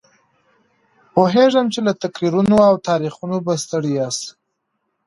پوهېږم چې له تقریرونو او تاریخونو به ستړي یاست.